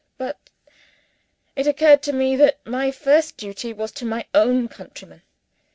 But it occurred to me that my first duty was to my own countrymen.